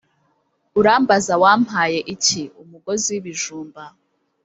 Urambaza wampaye iki ?-Umugozi w'ibijumba.